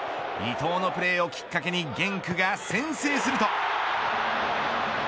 伊東のプレーをきっかけにゲンクが先制すると。